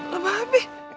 lah mbak a b